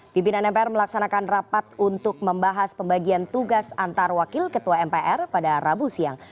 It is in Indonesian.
pimpinan mpr melaksanakan rapat untuk membahas pembagian tugas antar wakil ketua mpr pada rabu siang